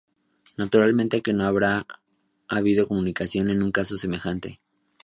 Naturalmente que no habrá habido comunicación en un caso semejante.